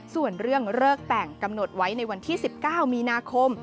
ส่วนเรื่องเลิกแต่งกำหนดไว้ในวันที่๑๙มีนาคม